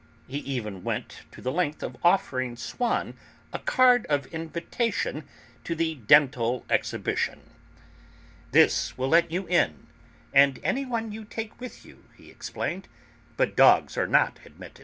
He even went to the length of offering Swann a card of invitation to the Dental Exhibition. "This will let you in, and anyone you take with you," he explained, "but dogs are not admitted.